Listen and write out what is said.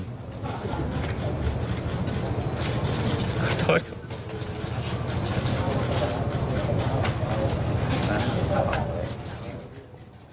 ขอโทษครับ